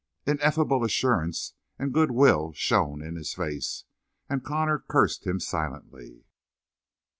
Ineffable assurance and good will shone in his face, and Connor cursed him silently.